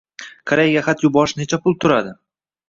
Koreyaga xat yuborish necha pul turadi?